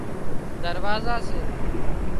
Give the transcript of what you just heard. دروازا سي